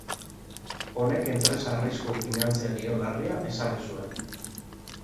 Honek enpresa arrisku finantzario larria ezarri zuen.